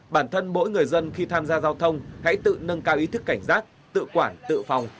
bản thân mỗi người dân khi tham gia giao thông hãy tự nâng cao ý thức cảnh giác tự quản tự phòng